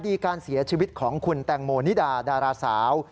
คดีการเสียชีวิตของคุณแตงโมนิดาดาราสาว